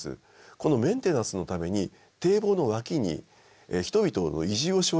このメンテナンスのために堤防の脇に人々の移住を奨励するんです。